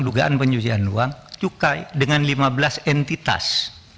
dugaan pencucian uang cukai dengan lima belas entitas